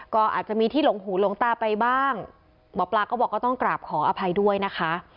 ก็อาจจะมีที่หลงหูหลงตาไปบ้างหมอปลาก็บอกก็ต้องกราบขออภัยด้วยนะคะ